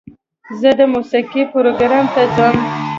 زه د موسیقۍ پروګرام ته ځم.